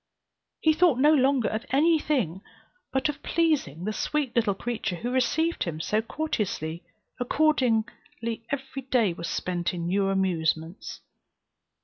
He thought no longer of any thing but of pleasing the sweet little creature who received him so courteously; accordingly every day was spent in new amusements.